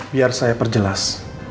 biar saya perjelas